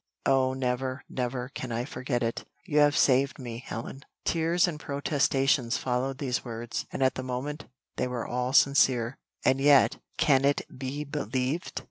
"Oh, never, never can I forget it. You have saved me, Helen." Tears and protestations followed these words, and at the moment they were all sincere; and yet, can it be believed?